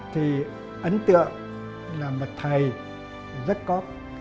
thì ấn tượng là một thầy rất có